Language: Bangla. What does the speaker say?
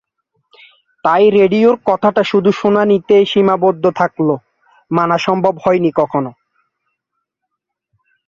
তাই রেডিওর কথাটা শুধু শোনাশুনিতেই সীমাবদ্ধ থাকলো; মানা সম্ভব হয়নি কখনো।